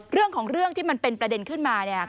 เรื่องของเรื่องที่มันเป็นประเด็นขึ้นมาเนี่ย